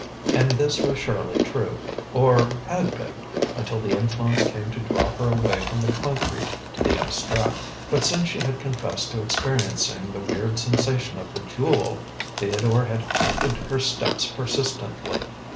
And this was surely true, or had been, until the Influence came to draw her away from the concrete to the abstract. But since she had confessed to experiencing the weird sensation of the Jewel, Theodore had haunted her steps persistently.